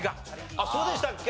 あっそうでしたっけ？